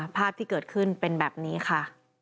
ภาพที่เกิดขึ้นเป็นแบบนี้ค่ะ